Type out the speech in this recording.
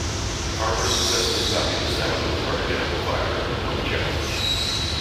Carver successfully copied the sound of the target amplifier and won the challenge.